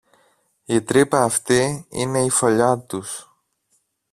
Η τρύπα αυτή είναι η φωλιά τους